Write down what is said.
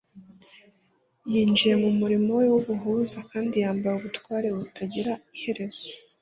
Yinjiye mu murimo we w'ubuhuza kandi yambaye ubutware butagira iherezo,